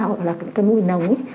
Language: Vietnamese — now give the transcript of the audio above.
hoặc là cái mùi nồng ấy